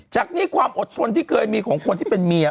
จากนี้ความอดทนที่เคยมีของคนที่เป็นเมีย